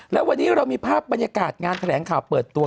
และวันนี้เรามีภาพบรรยากาศงานแถลงข่าวเปิดตัว